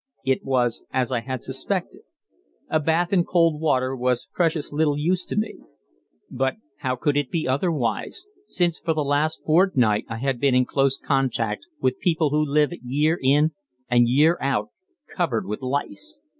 It was as I had suspected. A bath in cold water was precious little use to me. But how could it be otherwise, since for the last fortnight I had been in close contact with people who live year in and year out covered with lice?